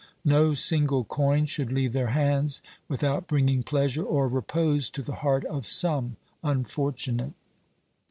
No single coin should leave their hands without bringing pleasure or repose to the heart of some unfortunate.